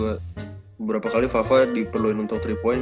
beberapa kali fava diperlukan untuk tiga point